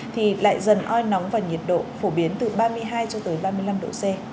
thì lại dần oi nóng và nhiệt độ phổ biến từ ba mươi hai cho tới ba mươi năm độ c